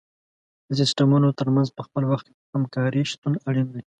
د سیستمونو تر منځ په خپل وخت همکاري شتون اړین دی.